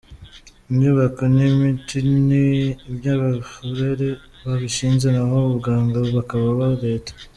Inyubako n’imiti ni iby’abafurere babishinze naho abaganga bakaba aba Leta.